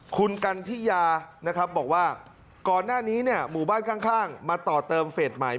คุณกันทิยาบอกว่าก่อนหน้านี้หมู่บ้านข้างมาต่อเติมเฟศใหม่